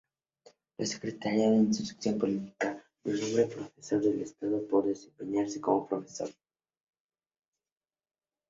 La Secretaría de Instrucción Pública lo nombre "Profesor de Estado" por desempeñarse como profesor.